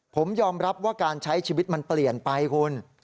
ผมยอมรับว่าการใช้ชีวิตมันเปลี่ยนไปคุณ